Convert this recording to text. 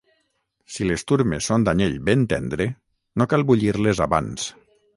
si les turmes són d'anyell ben tendre, no cal bullir-les abans